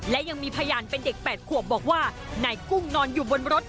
และยังมีพยานเป็นเด็ก๘ขวบบอกว่านายกุ้งนอนอยู่บนรถ